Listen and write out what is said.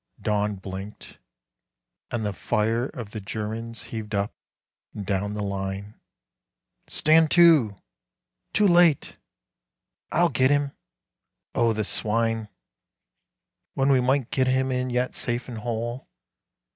Dawn blinked, and the fire Of the Germans heaved up and down the line. "Stand to!" Too late! "I'll get him." "O the swine! When we might get him in yet safe and whole!"